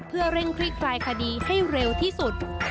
เพื่อเร่งคลี่คลายคดีให้เร็วที่สุด